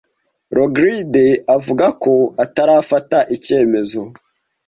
Rogride avuga ko atarafata icyemezo.